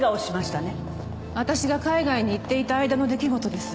私が海外に行っていた間の出来事です。